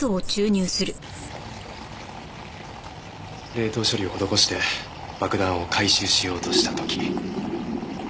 冷凍処理を施して爆弾を回収しようとした時。